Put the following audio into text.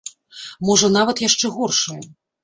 Можа нават яшчэ горшае.